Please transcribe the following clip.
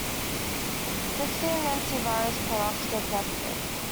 Fifteen anti-virus products were tested.